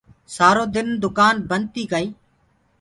سآرو دن دُڪآن بنٚد تيٚ ڪآئيٚ